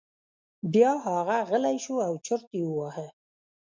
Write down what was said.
بیا هغه غلی شو او چرت یې وواهه.